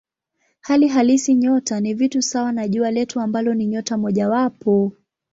Hali halisi nyota ni vitu sawa na Jua letu ambalo ni nyota mojawapo.